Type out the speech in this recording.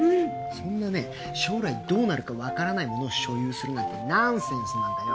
そんなね将来どうなるかわからないものを所有するなんてナンセンスなんだよ。